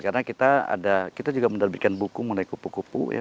karena kita juga menerbitkan buku mengenai kupu kupu ya